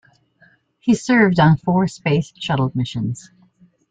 He served on four Space Shuttle missions.